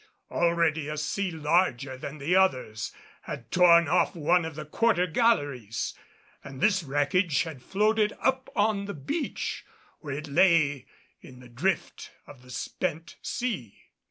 Already a sea, larger than the others, had torn off one of the quarter galleries, and this wreckage had floated up on the beach, where it lay in the drift of the spent sea.